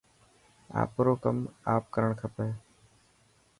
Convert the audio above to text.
آپرو ڪم آپ ڪرڻ کپي.